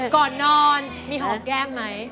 ก่อนนอนมีหอมแก้มไหม